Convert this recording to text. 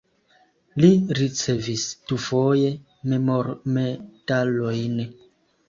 Li ricevis dufoje memormedalojn.